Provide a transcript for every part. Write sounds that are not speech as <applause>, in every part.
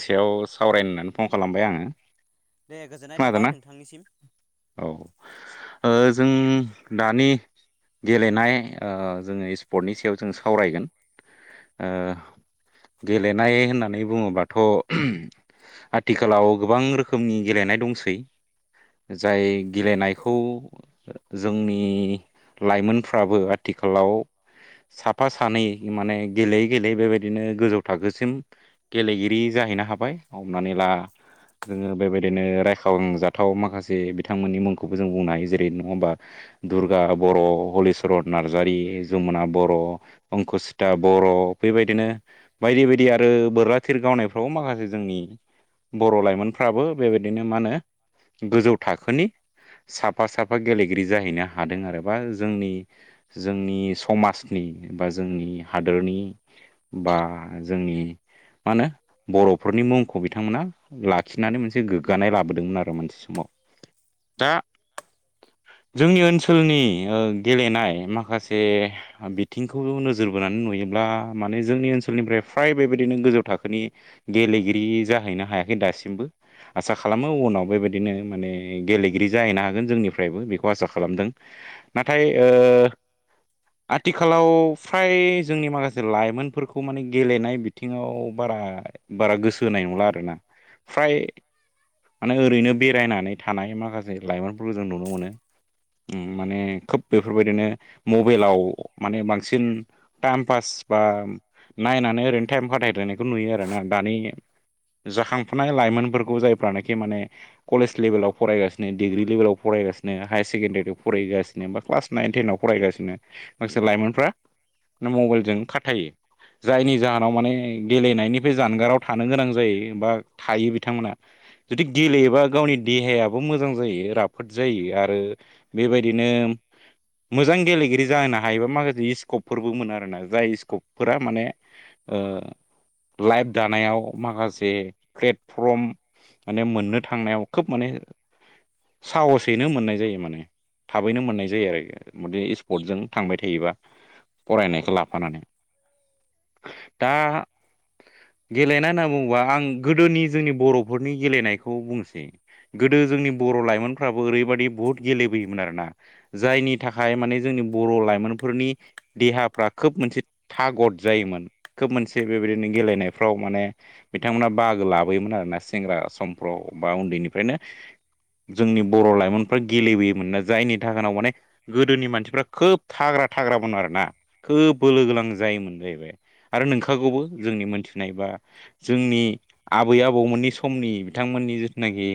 एसेयाव सावरायनो होननानै फन खालामबाय आङो। दे गोजोननाय थाबाय खोनादोंना नोंथांनिसिम। औ ओ जों दानि गेलेनाय ओ जोङो स्पर्टनि सायाव जों सावरायगोन। ओ गेलेनाय होननानै बुङोबा थ' आथिखालाव गोबां रोखोमनि गेलेनाय दंसै। जाय गेलेनायखौ जोंनि लाइमोनफ्राबो आथिखालाव साफा सानै माने गेलेयै गेलेयै बेबायदिनो गोजौ थाखोसिम गेलेगि बिदि जाहैनो हाबाय हमनानै ला जोङो बेबायदिनो रायखांजाथाव माखासे बिथांमोननि मुंखौबो जों बुंनो हायो जेरै नङा होमबा? दुर्गा बर' हलिचरन नार्जारि जमुना बर' पंकसिता बर'। बेबायदिनो बायदि बायदि आरो बोरा थिर गावनायफ्राव माखासे जोंनि बर' लाइमोनफ्राबो बेबायदिनो मा होनो? गोजौ थाखोनि साफा साफा गेलेगिरि जाहैनो हादों आरो बा जोंनि जोंनि समाजनि बा जोंनि हादोरनि बा जोंनि मा होनो बर'फोरनि मुंखौ बिथांमोना लाखिनानै मोनसे गोग्गानाय लाबोदोंमोन आरो मोनसे समाव। दा जोंनि ओनसोलनि गेलेनाय माखासे बिथिंखौबो नोजोर बोनानै नुयोमोन। माने जोंनि ओनसोलनिफ्राय फ्राय बेबायदिनो गोजौ थाखोनि गेलेगिरि जाहैनो हायाखै दासिमबो आसा खालामो उनाव बेबायदिनो माने गेलेगिरि जाहैनो हागोन जोंनिफ्रायबो बेखौ आसा खालामदों नाथाय ओ आथिखालाव फ्राय जोंनि माखासे लाइमोनफोरखौ माने गेलेनाय बिथिङाव बारा बारा गोसो होनाय नंला आरोना ओमफ्राय माने ओरैनो बेरायनानै थानाय माखासे लाइमोनफोरखौ जों नुनो मोनो। उम माने खोब बेफोरबायदिनो मबेलाव माने बांसिन टाम पास स्बा नायनानै ओरैनो टाइम खाथायलायनायखौ नुयो आरोना दानि जाखांफुनाय लाइमोनफोरखौ जायफ्रानाखि माने कलेज लेभेलाव फरायगासिनो डिग्रि लेभेलाव फराय फरायगासिनो हायार सेकेण्डारिखौ फरायगासिनो बा क्लास नाइन टेनाव फरायगासिनो माखासे लाइमोनफ्रा नो मबाइलजों खाथायो जायनि जाहोनाव माने गेलेनायनिफ्राय जानगाराव थानो गोनां जायो बा थायो बिथांमोना। जुदि गेलेयोबा गावनि देहायाबो मोजां जायो राफोद जायो आरो बेबायदिनो मोजां गेलेगिरि जाहोनो हायोबा माखासे इकपफोरबो मोनो आरोना जाय स्कपफोरा माने ओ लाइभ दानायाव माखासे प्लेटफ्रम माने मोननो थांनायाव खोब माने ओ साहसैनो मोननाय जायो माने। थाबैनो मोननाय जायो आरो मेथे इस्पटजों थांबाय थायोबा फरायनायखो लाफानानै। दा गेलेनाय होनना बुङोबा आं गोदोनि जोंनि बर'फोरनि गेलेनायखौ बुंसै गोदो जों नि बर' लाइमोनफ्राबो ओरैबायाददि बहुत गेलेबोयोमोन आरोना जायनि थाखाय माने जोंनि बर' लाइमो मोन फोरनि देहाफ्रा खोब मोनसे थागद जायोमोन। खोब मोनस से बेबायदिनो गेलेनायफ्राव माने बिथांमोना बाहागो लाबोयोमोन आरोना सेंग्रा समफ्राव बा उन्दै बिनिफ्रायनो जोंनि बर' लाइमोनफ्रा गेलेबोयोमोन ना जायनि थाखोनाव माने गोदोनि मानसिफ्रा खोब थाग्रा था थाग्रामोन आरोना खोब बोलो गोलां जायोमोन जाहैबाय आरो नोंख खागौबो जोंनि मोनथिनाय बा जोंनि आबै आबौमोननि समनि बिथांमोननि जोथुना निगि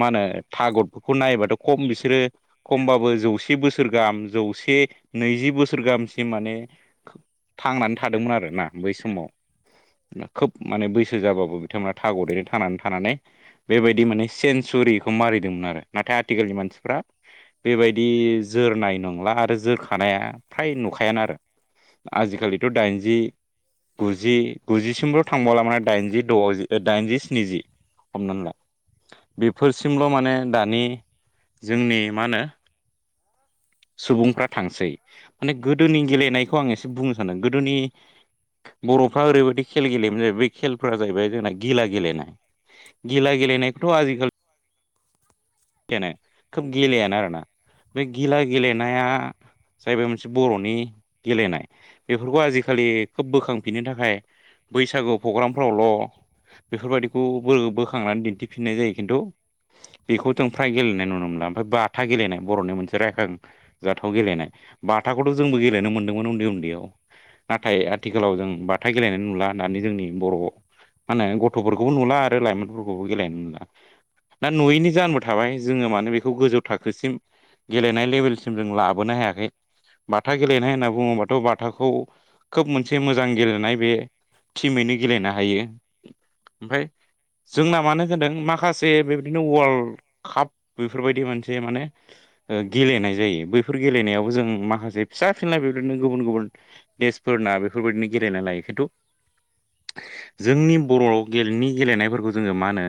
मानो थागदफोरखौ नायोबाथ' खम बिसोरो खमबाबो जौसे बोसोर गाम जौसे ए नैजि बोसोर गाहामसिम माने थांनानै थादोंमोन आरोना बै समाव। ना खोब माने बैसो जाबाबो बिथांमोना थागदैनो थानानै थानानै बेबायदि माने सेन्स उरिखौ मारिदोंमोन आरो नाथाय आथिखालनि मानसिफ्रा बेबायदि जोरनाय नंला आरो जोरखानाया फ्राय नुखायानो आरो। आजिखालिथ' दाइनजि गुजि गुजिसिमल' थांबावला माने दाइनजि द'जि ओ दाइनजि स्निजि। हमनान ला बेफोरसिमल' माने दानि जोंनि मानो सुबुंफ्रा थांसै माने गोदोनि गेलेनायखौ आं एसे बुंनो सानदों गोदोनि बर'फ्रा ओरैबायदि खेल गेलेयोमोन जाहैबा बै खेलफ्रा जाहैबाय जोंना गिला गेलेनाय। गिला गेलेनायखौथ' आजिखाल बेनो खोब गेलेयानो आरोना। बै गिला गेलेनाया जाहैबाय मोनसे बर'नि गेलेनाय बेफोरखौ आजिखालि खोब बोखांफिननो थाखाय बैसागु पग्राम फ्रावल' बेफोरबायदिखौ बो-बोखांनानै दिन्थिफिननाय जायो खिन्थु बेखौ जों फ्राय गेलेनाय नुनो मोनला। ओमफाय बाथा गेलेनाय बर'नि मोनसे रायखां जाथाव गेलेनाय बाथाखौथ' जोंबो गेलेनो मोन्दोंमोन उन्दै उन्दैयाव। नाथाय आथिखालाव जों बाथा गेलेनाय नुला दानि जोंनि बर' मानो गथ'फोरखौबो नुला आरो लाइमोनफोरखौबो गेलेनाय नुला ना नुयैनि जाहोनबो थाबाय जोङो माने बेखौ गोजौ थाखोसिम गेलेनाय लेभेलसिम जों लाबोनो हायाखै। बाथा गेलेनाय होनना बुङोबाथ' बाथाखौ खोब मोनसे मोजां गेलेनाय बे टिमैनो गेलेनो हायो। ओमफाय जोंना मानो होदों माखासे बेबादिनो वाल्ड काप बेफोरबायदि मोनसे माने ओ गेलेनाय जायो। बैफोर गेलेनायावबो जों माखासे फिसा फिनला बेफोरबायदिनो गुबुन गुबुन देशफोरना बेफोरबायदिनो गेलेना लायो। खिन्थु जोंनि बर' गेल नि गेलेनायफोरखौ जोङो मानो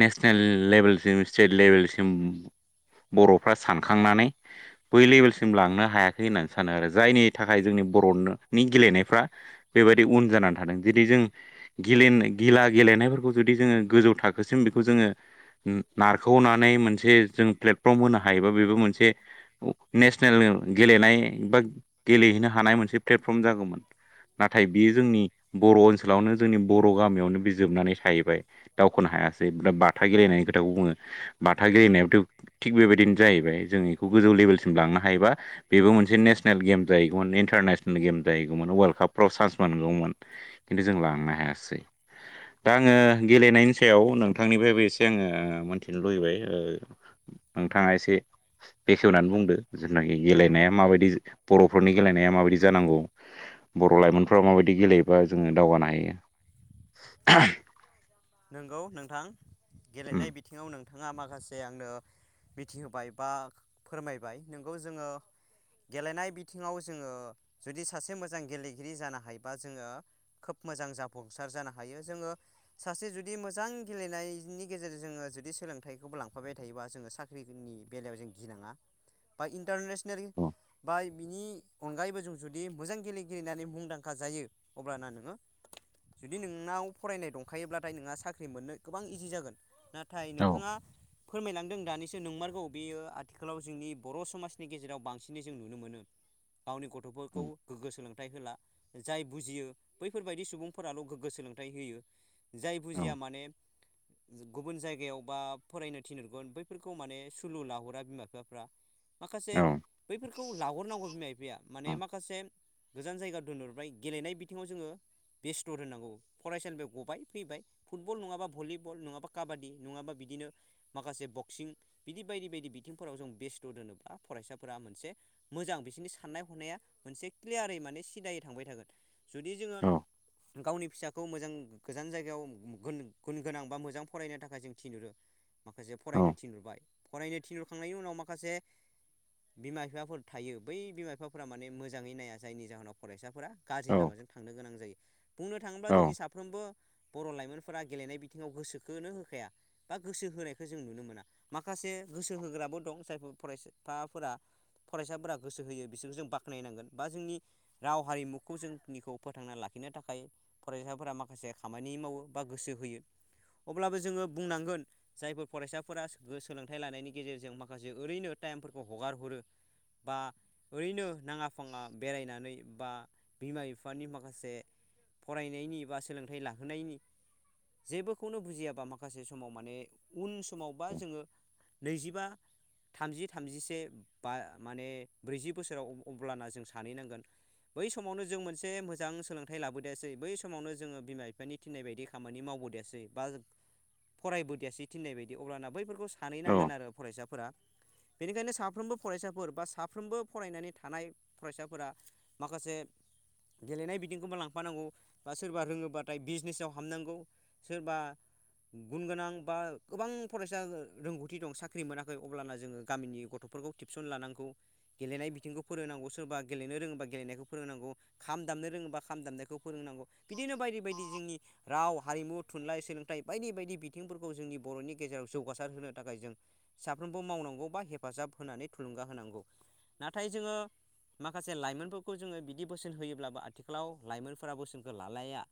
नेसनेल लेभेलसिम स्टेट लेभेलसिम बर'फ्रा सानखांनानै बै लेभेलसिम लांनो हायाखै होननानै सानो आरो जायनि थाखाय जोंनि बर'नि गेलेनायफ्रा बेबायदि उन जानानै थादों जेरै जों गेले गिला गिला गेलेनायफोरखौ जुदि जोङो गोजौ थाखोसिम बेखौ जोङो नारखोनानै मोनसे जों प्लेटफर्म होनो हायोबा बेबो मोनसे नेसनेल गेले गेलेनाय बा गेलेहैनो हानाय मोनसे प्लेटफर्म जागौमोन। नाथाय बियो जोंनि बर' ओनसोलावनो जोंनि बर' गामियावनो बे जोबनानै थाहैबाय दावखोनो हा यासै बाथा गेलेनाय बाथाखौ बुङो बाथा गेलेनायाथ' थिग बेबायदिनो जाहैबाय जों बेखौ गोजौ लेभेलसिम लांनो हायोबा बेबो मोनसे नेसनेल गेम जाहैगौमोन इन्टारनेसनेल गेम जाहैगौमोन वाल्ड कापफोराव चान्स मोनगौमोन। खिन्थु जों लांनो हायासै दा आङो गेलेनायनि सायाव नोंथांनिफ्रायबो एसे आङो ओ मोनथिनो लुबैबाय ओ नोंथाङा एसे बेखेवनानै बुंदो जेनाखि गेलेनाया माबायदि बर'फोरनि गेलेनाया माबायदि जानांगौ बर' लाइमोनफोरा माबायदि गेलेयोबा जोङो दावगानो हायो। <unintelligible> नोंगौ नोंथां गेलेनाय बिथिङाव नों नोंथाङा माखासे आंनो मिथिहोबाय बा फोरमायबाय नोंगौ जोङो गेलेनाय बिथिङाव जोङो जुदि सासे मोजां गेलेगिरि जानो हायोबा जोङो खोब मोजां जाफुंसार जानो हायो जोङो सासे जुदि मोजां गेलेनायनि गेजेरजों जोङो जुदि सोलोंथाइखौबो लांफाबाय थायोबा जोङो साख्रिनि बेलायाव जों गिनाङा बा इन्टारनेसनेल औ बा बिनि अनगायैबो जों जुदि मोजां गेले गेलेनानै मुंदांखा जायो अब्लाना नोङो जुदि नोंनाव फरायनाय दं खायोब्लाथाय नोंहा साख्रि मोननो गोबां इजि जागोन नाथाय नोंथाङा फोरमायलांदों दानिसो नोंमारगौ बेयो आथिखालाव जोंनि बर' समाजनि गेजेराव बांसिनै जों नुनो मोनो। गावनि गथ'फोरखौ गोग्गो सोलों सोलोंथाइ होला जाय बुजियो बैफोरबायदि सुबुंफोराल' गोग्गो सोलोंथाइ होयो। जाय बुजिया माने <inaudible> गुबुन जायगायाव बा फरायनो थिनहरगोन बैफोरखौ माने सुलु लाहरा बिमा बिफाफ्रा माखासे बैफोरखौ लाहरनांगौ बिमा बिफाया माने माखासे गोजान जायगायाव दोनहरबाय गेलेनाय बिथिङाव जोंङो बेस्थर दोनांगौ फरायसालि बेयाव गबाय फैबाय फुटबल नंङाबा भलिबल नंङाबा काबादि नंङाबा बिदिनो माखासे बक्सिं बिदि बायदि बायदि बिथिंफोराव जों बेस्थ' दोनोब्ला फरायसाफोरा मोनसे मोजां बिसोरनि साननाय हनाया मोनसे क्लियारै माने सिदायै थांबाय थागोन जुदि जोंङो गावनि फिसाखौ मोजां गोजान जायगायाव गुन गोनां बा मोजां फरायनो थाखाय जों थिनहरो माखासे फरायनो थिनहुरबाय फरायनो थिनहुरखांनायनि उनाव माखासे बिमा बिफाफोर थायो बै बिमा बिफाफोरा माने मोजांङै नाया जायनि जाहोनाव फरायसाफोरा गाज्रि लामाजों थांनो गोनां जायो बुंनो थांङोब्ला जोंनि साफ्रोमबो बर' लाइमोनफोरा गेलेनाय बिथिङाव गोसोखोनो होखाया बा गोसो होनायखौ जों नुनो मोना माखासे एसे गोसो होग्राबो दं जायफोर फरायफोरा फरायसाफोरा गोसो होयो बिसोरखौ जों बाख्नायनांगोन बा जोंनि राव हारिमुखौ जोंनिखौ फोथांना लाखि लाखिनो थाखाय फरायसाफोरा माखासे खामानि मावो बा गोसो होयो अब्लाबो जोंङो बुंनांगोन जायफोर फरायसाफोरा सोलोंथाइ लानायनि गेजेरजों माखासे ओरैनो टाइमफोरखौ हगार हरो बा ओरैनो नांङा फाङा बेरायनानै बा बिमा बिफानि माखासे फरायनायनि एबा सोलोंथाइ ला जेबोनो बुजियाया माखासे समाव मान उन समावबा जोंङो नैजिबा थामजि थामजिसे बा माने ब्रैजि बोसोराव अब्लाना जों सानैहैनांगोन। बै समावनो जों मोनसे मोजां सोलोंथाइ लाबोदासै बै समावनो जोंङो बिमा बिफा बिफानि थिननाय बायदि खामानि मावबोदिासै बा फरायबोदों यासै थिननाय बायदि अब्लाना बैफोर बे खौ सानै नांगोन आरो फरायसाफोरा। बेनिखायनो साफ्रोमबो फरायसाफोर बा साफ्रोमबो फरायनानै थानाय फरायसाफोरा माखासे गेलेनाय बिथिंखौबा लांफानांगौ बा सोरबा रोंङोबा नाथाय बिजनेसाव हाबनांगौ सोरबा गुन गोनां बा गोबां फरायसा रोंगौथि दं साख्रि मोनाखै अब्ला जोंङो गामिनि गथ' टिउसन लानांग गेलेनाय बिथिंखौ फोरोंनांगौ सोरबा गेलनो रोंबा गेलेनायखौ फोरोंनांगौ खाम दाम रोंङोबा खामनायखौ फोरोंनांगौ बिदिनो बायदि बायदि जोंनि राव हारिमु थुनलाइ सोलोंथाइ बायदि बायदि बिथिंफोरखौ जोंनि बर'नि गेजेराव जौगासार होनो थाखाय जों साफ्रोमबो मावनांगौ बा हेफाजाब होनानै थुलुंगा होनांगौ नाथाय जोंङो माखासे लाइमोनफोरखौ जोंङो बिदि बोसोन होयोब्लाबो आथिखालाव लाइमोनफोरा बोसोनखौ लालाया।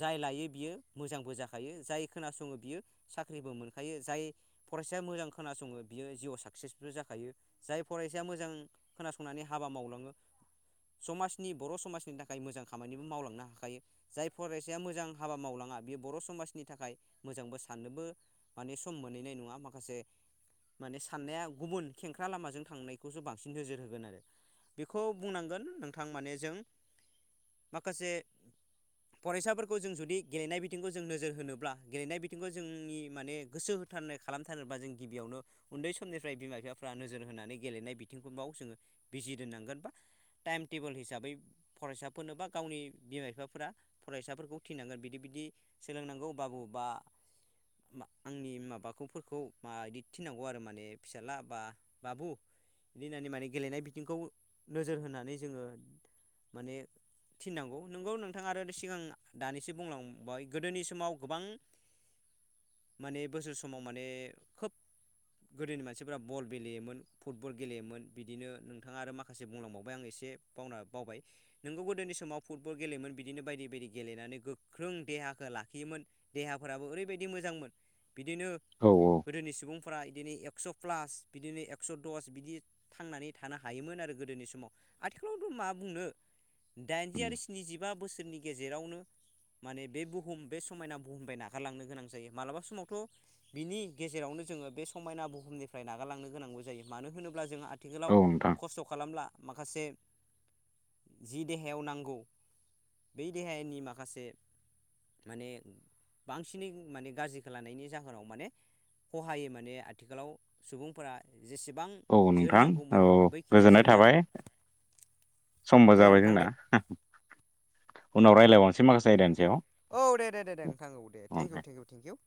जाय लायो बियो मोजांबो जाखायो जाय खोनासंङो बियो साख्रिबो मोनखायो जाय फराय फरायस मोजां खोनासङो बियो जिउआव साक्सेसबो जाखायो जाय फरायसाया मोजां खोनासंनानै हाबा मावो। नि बर' समाजनि थाखाय मोजां खामानिबो मावलांनो हाखायो जाय फराय मासेया मोजां हाबा मावलांङा बेयो बर' समाजनि थाखाय मोजांबो साननोबो माने सम मोनहैनाय नङा। माखासे माने साननाया गुबुन खेंख्रा लामाजों थांनायखौसो बांसिन नोजोर होगोन आरो। बेखौ बुंनांगोन नोंथां माने जों माखासे फरायसाफोरखौ जों जुदि गेलेनाय बिथिंखौ जों नोजोर होनोब्ला गेलेनाय बिथिंखौ जोंनि माने गोसो होथारनाय खालामथारनोबा जों गिबियावनो उन्दै समनिफ्राय बिमा बिफाफ्रा नोजोर होनानै गेलेनाय बिथिंखौबाव जोंङो जिरनांगोन बा टाइम टेबोल हिसाबै फरायसाफोरनो बा गावनि बिमा बिफाफोरा फरायसाफोरखौ थिननांगोन बिदि बिदि सोलोंनांगौ बाबु बा आंनि माबाखौफोरखौ माबायदि थिननांगौ आरो माने फिसाज्ला बा बाबु बिदि होननानै माने गेलेनाय बिथिंखौ नोजोर होनानै जोंङो माने थिननांगौ नंगौ नोंथांङा आरो बिसो सिगां दानिसो बुंलांबाय गोदोनि समाव गोबां माने बोसोर समाव माने खोब गोदोनि मानसिफोरा बल गेलेयोमोन फुटबल गेलेयोमोन बिदिनो नोंथाङा आरो माखासे बुंलांबावबाय आं ए से बावना बावबाय नोंगौ गोदोनि समाव फुटबल गेलेयोमोन बिदिनो बायदि बेबायदि गेलेनानै गोख्रों देहाखौ लाखियोमोन देहाफोराबो ओरैबायदि मोजांमोन। बिदिनो गोदोनि सुबुं फ्रा बिदिनो एक्स' प्लास बिदिनो एक्स' दस बिदि थांनानै थानो हायोमोन आरो गोदोनि समाव आथिखालावथ' मा बुंनो दाइनजि आरो स्निजिबा बोसोरनि गेजेरावनो माने बे बुहुम बे समायना बुहुमनिफ्राय नागारलांनो गोनां जायो मालाबा समावथ' बिनि गेजेरावनो जोङो बे समायना बुहुमनिफ्राय नागारलांनो गोनांगौ जायो मानो होनोब्ला जोङो आं आथिखालाव नोंथां खस्थ' खालामब्ला माखासे जि देहायाव नांगौ बै देहानि माखासे माने बांसिनै माने गाज्रिखौ लानायनि जाहोनाव माने खहायै माने आथिखालाव सुबुंफोरा जेसेबां औ नोंथां औ जोरनांगौमोन बैखिनिया गोजोननाय जोरला आरो। थाबाय समबो दे जाबाय नोंथां जोंना दे उनाव रायलायबावनोसै माखासे आयदानि सायाव औ दे दे दे दे नोंथां औ दे thank you thank you thank U.